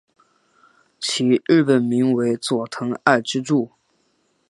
其日本名为佐藤爱之助。